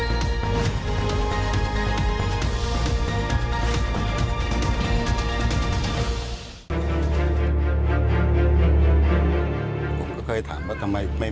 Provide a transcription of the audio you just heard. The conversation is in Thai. มีความรู้สึกว่าเมืองก็ว่าเสียใจ